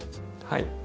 はい。